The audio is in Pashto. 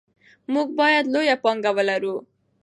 موږ باید لویه پانګه ولرو.